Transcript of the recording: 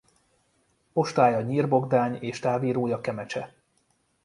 Postája Nyír-Bogdány és távírója Kemecse.